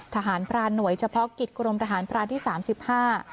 ทหารพรานหน่วยเฉพาะกิจกรมทหารพรานที่สามสิบห้า